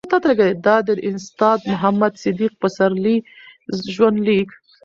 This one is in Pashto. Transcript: دا دي د استاد محمد صديق پسرلي ژوند ليک